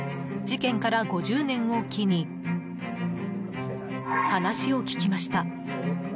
事件から５０年を機に話を聞きました。